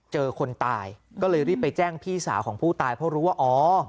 คนตายก็เลยรีบไปแจ้งพี่สาวของผู้ตายเพราะรู้ว่าอ๋อ